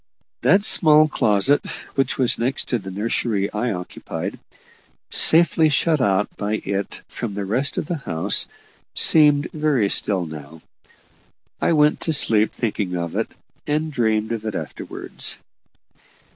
That small closet, which was next to the nursery I occupied, safely shut out by it from the rest of the house, seemed very still now. I went to sleep thinking of it, and dreamed of it afterwards.